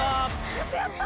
よくやった。